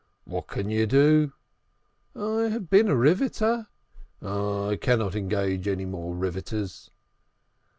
"What can you do?" "I have been a riveter." "I cannot engage any more riveters."